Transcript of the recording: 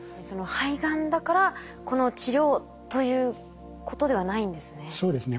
肺がんだからこの治療ということではないんですね。